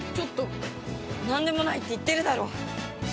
なんでもないって言ってるだろ！